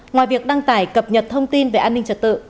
ngoài việc đăng tải cập nhật thông tin về an ninh trật tự